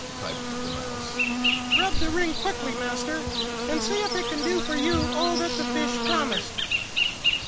piped the mouse. "Rub the ring quickly, master, and see if it can do for you all that the fish promised."